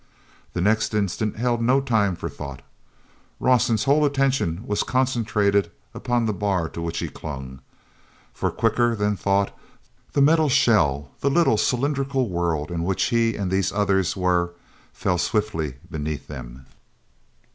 The next instant held no time for thought. Rawson's whole attention was concentrated upon the bar to which he clung. For, quicker than thought, the metal shell, the little cylindrical world in which he and these others were, fell swiftly beneath them.